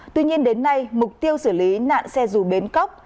tuy nhiên đến nay mục tiêu xử lý nạn xe dù bến cóc